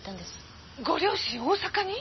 ご両親大阪に？